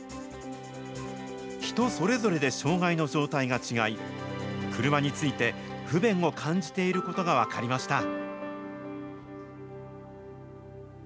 人それぞれで障害の状態が違い、車について不便を感じていることが分かりました。